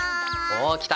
おきた！